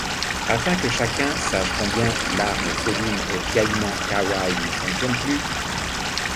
Afin que chacun sache combien l’arme féline aux piaillements kawaii ne fonctionne plus.